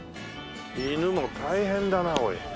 犬も大変だなおい